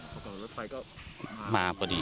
เมื่อก่อนรถไฟก็มาพอดี